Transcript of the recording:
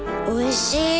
おいしい。